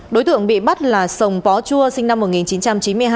đối tượng bị bắt là sồng pó chua sinh năm một nghìn chín trăm chín mươi hai